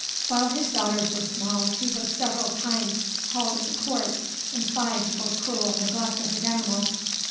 While his daughters were small he was several times haled into court and fined for cruel neglect of his animals.